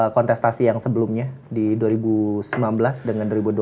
kontestasi yang sebelumnya di dua ribu sembilan belas dengan dua ribu dua puluh